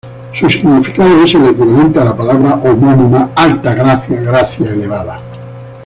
Su significado es el equivalente a la palabra homónima, "alta gracia, gracia elevada".